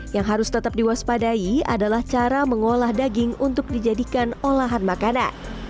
yang harus tetap diwaspadai adalah cara mengolah daging untuk dijadikan olahan makanan